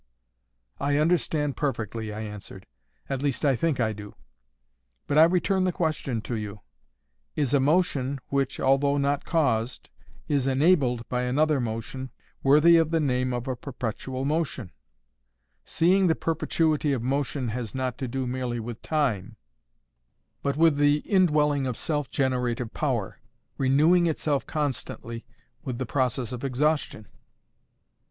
"I understand perfectly," I answered. "At least, I think I do. But I return the question to you: Is a motion which, although not caused, is ENABLED by another motion, worthy of the name of a perpetual motion; seeing the perpetuity of motion has not to do merely with time, but with the indwelling of self generative power—renewing itself constantly with the process of exhaustion?"